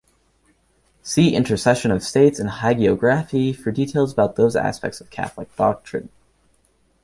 See Intercession of saints and Hagiography for details about those aspects of Catholic doctrine.